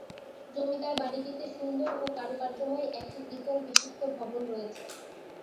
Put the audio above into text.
জমিদার বাড়িটিতে সুন্দর ও কারুকার্যময় একটি দ্বিতল বিশিষ্ট্য ভবন রয়েছে।